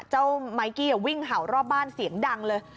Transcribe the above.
ไมกี้วิ่งเห่ารอบบ้านเสียงดังเลย